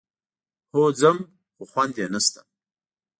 هو ځم، خو خوند يې نشته.